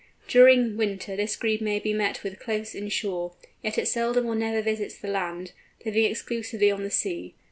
During winter this Grebe may be met with close inshore, yet it seldom or never visits the land, living exclusively on the sea.